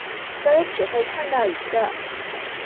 所以只會看到一個